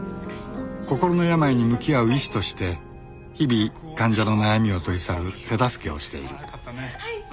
心の病に向き合う医師として日々患者の悩みを取り去る手助けをしている